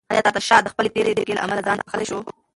ایا ناتاشا د خپلې تېرې دوکې له امله ځان بښلی شو؟